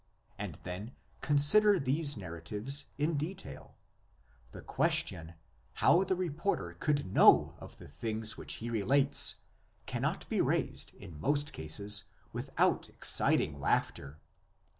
And then, consider these narratives in detail. The ques tion how the reporter could know of the things which he relates cannot be raised in most cases without exciting laughter.